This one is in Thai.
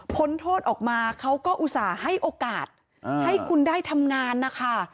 พ้นโทษออกมาเขาก็อุตส่าห์ให้โอกาสให้คุณได้ทำงานนะคะ